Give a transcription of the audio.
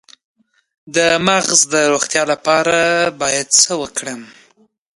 د مغز د روغتیا لپاره باید څه وکړم؟